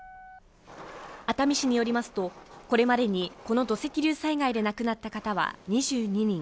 熱海市によりますと、これまでにこの土石流災害で亡くなった方は２２人。